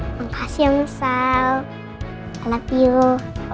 makasih ya masal